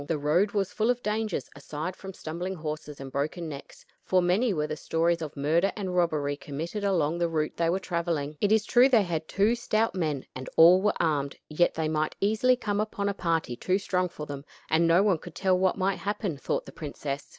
The road was full of dangers aside from stumbling horses and broken necks, for many were the stories of murder and robbery committed along the route they were traveling. It is true they had two stout men, and all were armed, yet they might easily come upon a party too strong for them; and no one could tell what might happen, thought the princess.